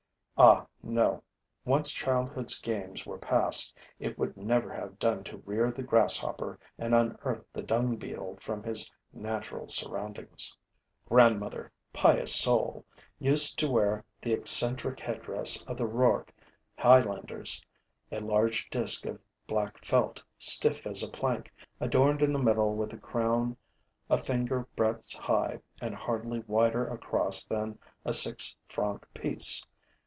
Ah, no! Once childhood's games were past, it would never have done to rear the Grasshopper and unearth the Dung beetle from his natural surroundings. Grandmother, pious soul, used to wear the eccentric headdress of the Rouergue highlanders: a large disk of black felt, stiff as a plank, adorned in the middle with a crown a finger's breadth high and hardly wider across than a six franc piece.